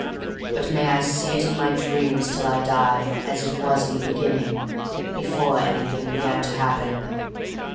But may I see it in my dreams till I die—as it was in the beginning—before anything began to happen.